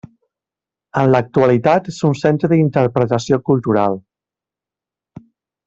En l'actualitat és un centre d'interpretació cultural.